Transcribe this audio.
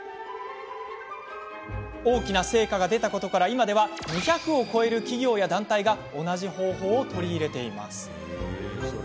大きな成果が出たことから今では２００を超える企業や団体が同じ方法を取り入れています。